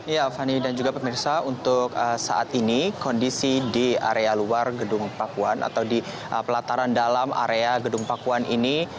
ya fani dan juga pemirsa untuk saat ini kondisi di area luar gedung pakuan atau di pelataran dalam area gedung pakuan ini